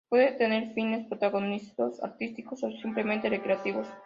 Puede tener fines propagandísticos, artísticos o simplemente recreativos.